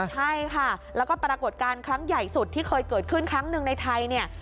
ใช่ค่ะแล้วก็ปรากฏการณ์ครั้งใหญ่สุดที่เคยเกิดขึ้นครั้งหนึ่งในไทยเนี่ย